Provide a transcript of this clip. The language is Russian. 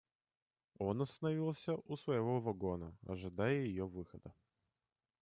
Он остановился у своего вагона, ожидая ее выхода.